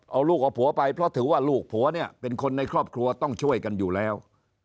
เอาลูกเอาผัวไปเพราะถือว่าลูกผัวเนี่ยเป็นคนในครอบครัวต้องช่วยกันอยู่แล้ว